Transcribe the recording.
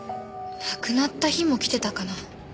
亡くなった日も来てたかな。